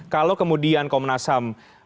kalau kemudian komnasam